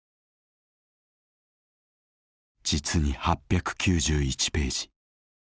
実に８９１ページ。